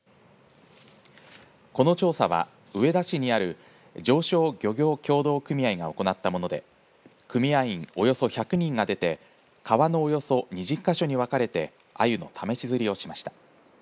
この調査は上田市にある上小漁業協同組合が行ったもので組合員およそ１００人が出て川のおよそ２０か所に分かれてアユの試し釣りをしました。